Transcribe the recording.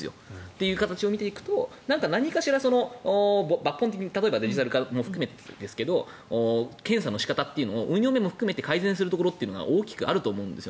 という形を見ていくと何かしら抜本的にデジタル化も含めてですけど検査の仕方というのを運用面も含めて改善するところが多くあると思うんです。